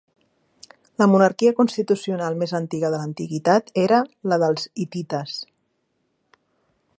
La monarquia constitucional més antiga de l'antiguitat era la dels hitites.